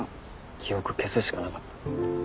記憶消すしかなかった。